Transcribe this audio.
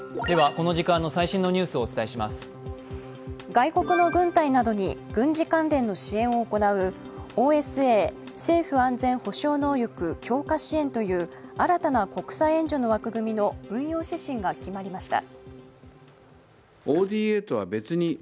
外国の軍隊などに軍事関連の支援を行うＯＳＡ＝政府安全保障能力強化支援という新たな国際援助の枠組みの運用指針が決まりました。